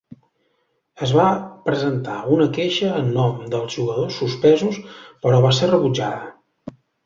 Es va presentar una queixa en nom dels jugadors suspesos, però va ser rebutjada.